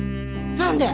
何で？